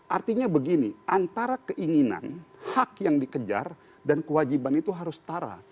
artinya begini antara keinginan hak yang dikejar dan kewajiban itu harus setara